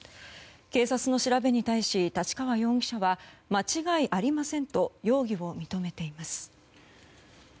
警察の調べに対し太刀川容疑者は間違いありませんと容疑を認めています。